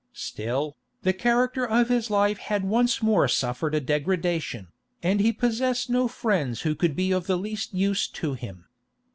Still, the character of his life had once more suffered a degradation, and he possessed no friends who could be of the least use to him.